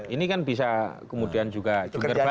ini kan bisa kemudian juga jungkir balik